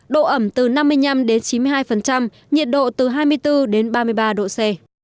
độ ẩm từ năm mươi năm đến chín mươi hai nhiệt độ từ hai mươi bốn đến ba mươi ba độ c